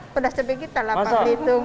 pedas cabai kita pak belitung